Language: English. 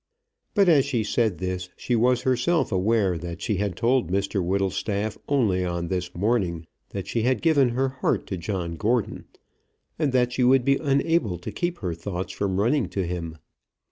But as she said this, she was herself aware that she had told Mr Whittlestaff only on this morning that she had given her heart to John Gordon, and that she would be unable to keep her thoughts from running to him.